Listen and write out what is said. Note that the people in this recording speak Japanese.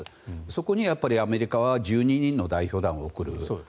そこにアメリカは１２人の代表団を送る。